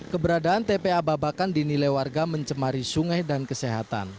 keberadaan tpa babakan dinilai warga mencemari sungai dan kesehatan